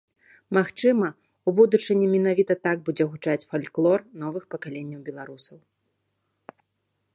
Магчыма, у будучыні менавіта так будзе гучаць фальклор новых пакаленняў беларусаў.